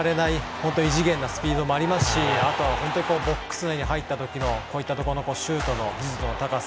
本当に異次元なスピードもありますし本当にボックス内に入ったときのこういったところのシュートの技術の高さ。